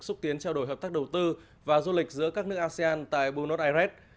xúc tiến trao đổi hợp tác đầu tư và du lịch giữa các nước asean tại bunos aires